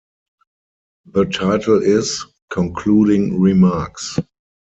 The title is, Concluding Remarks.